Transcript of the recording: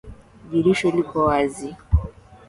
Dirisha liko wazi